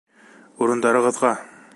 Урындарығыҙға!